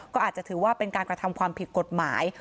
ก็อาจจะถือว่าเป็นการกระทำความผิดกฎหมาย